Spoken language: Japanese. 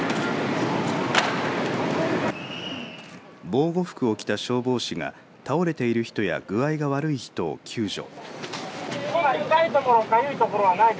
防護服を着た消防士が倒れている人や具合が悪い人を救助。